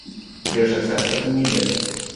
Their success was immediate.